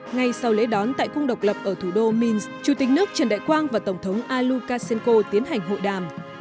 ngay sau lễ đón tại cung độc lập ở thủ đô minsk chủ tịch nước trần đại quang và tổng thống alexander lukashenko tiến hành hội đàm